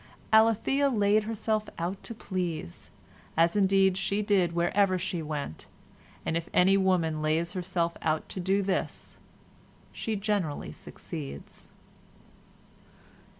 Alethea laid herself out to please, as indeed she did wherever she went, and if any woman lays herself out to do this, she generally succeeds.